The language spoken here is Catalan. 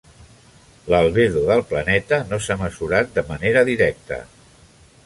L'albedo del planeta no s'ha mesurat de manera directa.